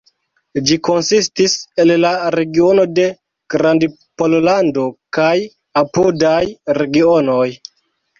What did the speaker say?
Ĝi konsistis el la regiono de Grandpollando kaj apudaj regionoj.